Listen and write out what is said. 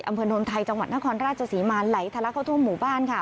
อำเภอนนไทยจังหวัดนครราชศรีมาไหลทะลักเข้าทั่วหมู่บ้านค่ะ